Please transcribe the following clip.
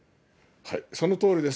そのとおりです。